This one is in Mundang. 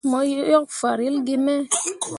Mo yok farelle gi me.